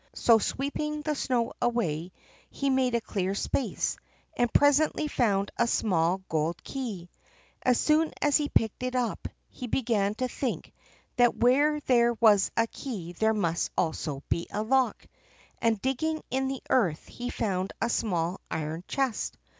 So, sweeping the snow away, he made a clear space, and presently found a small gold key. As soon as he picked it up, he began to think that where there was a key there must also be a lock; and, digging in the earth, he found a small iron chest.